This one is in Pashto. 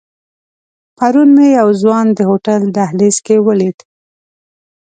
پرون مې یو ځوان د هوټل دهلیز کې ولید.